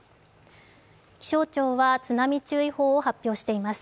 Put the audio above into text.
気象庁は津波注意報を発表しています。